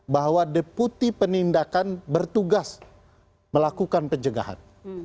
bahwa deputi penindakan bertugas melakukan pencegahan